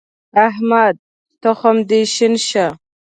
احمده! تخم دې شين شه.